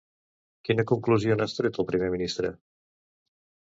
Quina conclusió n'ha extret el primer ministre?